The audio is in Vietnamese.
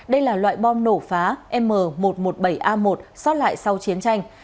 đây là loại bom nổ phá m một trăm một mươi bảy a một xót lại sau chiến tranh